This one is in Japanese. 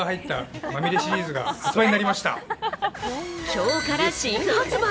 今日から新発売。